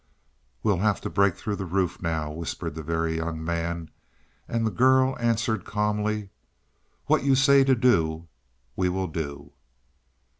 "We'll have to break through the roof now," whispered the Very Young Man, and the girl answered calmly: "What you say to do, we will do."